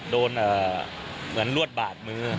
โดนเหมือนลวดบาดมือ